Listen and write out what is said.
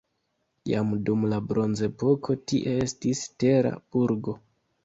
Jam dum la bronzepoko tie estis tera burgo.